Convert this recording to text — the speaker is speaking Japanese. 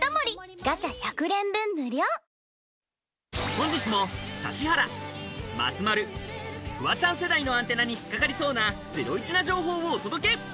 本日も指原、松丸、フワちゃん世代のアンテナに引っ掛かりそうなゼロイチな情報をお届け！